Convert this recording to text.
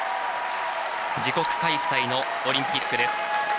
自国開催のオリンピックです。